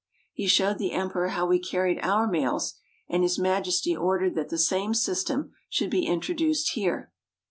He showed the Emperor how we carried our mails, and His Majesty ordered that the same system should be introduced here.